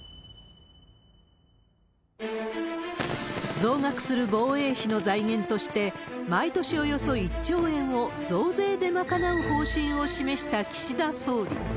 増額する防衛費の財源として、毎年およそ１兆円を増税で賄う方針を示した岸田総理。